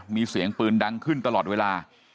มีเสียงปืนดังขึ้นตลอดเวลา